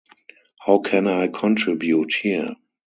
How can I contribute here?